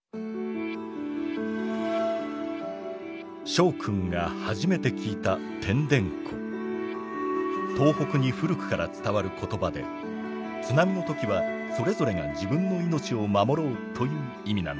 昭君が初めて聞いた東北に古くから伝わる言葉で「津波の時はそれぞれが自分の命を守ろう」という意味なんだ。